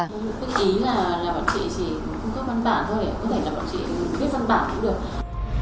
cũng ý là bọn chị chỉ cung cấp văn bản thôi thì có thể là bọn chị viết văn bản cũng được